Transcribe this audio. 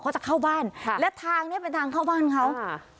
เขาจะเข้าบ้านค่ะและทางเนี้ยเป็นทางเข้าบ้านเขาค่ะ